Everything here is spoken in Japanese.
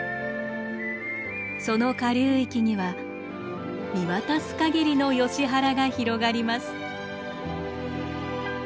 その下流域には見渡すかぎりのヨシ原が広がります。